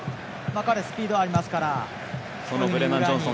彼、スピードありますから。